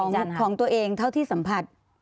ของตัวเองเท่าที่สัมผัส